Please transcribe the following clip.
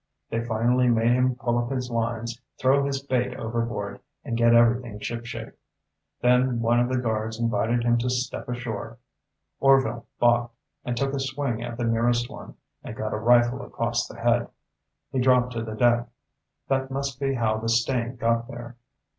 They finally made him pull up his lines, throw his bait overboard, and get everything shipshape. Then one of the guards invited him to step ashore. Orvil balked and took a swing at the nearest one and got a rifle across the head. He dropped to the deck. That must be how the stain got there.